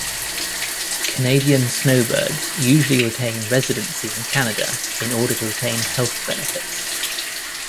Canadian snowbirds usually retain residency in Canada in order to retain health benefits.